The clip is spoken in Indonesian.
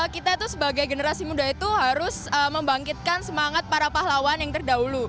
kita itu sebagai generasi muda itu harus membangkitkan semangat para pahlawan yang terdahulu